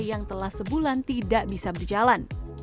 yang telah sebulan tidak bisa berjalan